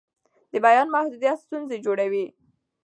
د بیان محدودیت ستونزې جوړوي